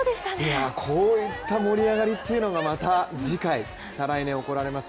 こういった盛り上がりっていうのが次回、再来年に行われます